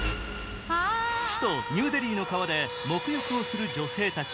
首都ニューデリーの川でもく浴をする女性たち。